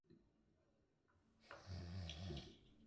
Her body highlighted the number of women who are murdered in Mexico.